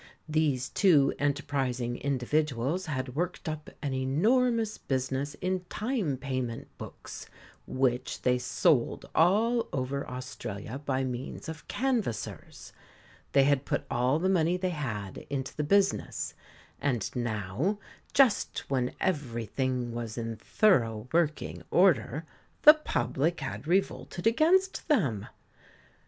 These two enterprising individuals had worked up an enormous business in time payment books, which they sold all over Australia by means of canvassers. They had put all the money they had into the business; and now, just when everything was in thorough working order, the public had revolted against them.